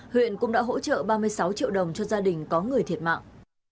huyện cũng đã hỗ trợ ba mươi sáu triệu đồng cho gia đình có người thiệt mạng